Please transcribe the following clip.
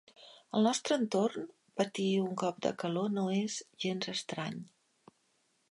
Al nostre entorn, patir un cop de calor no és gens estrany.